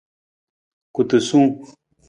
Kutusung.